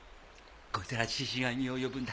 こいつらはシシ神を呼ぶんだ。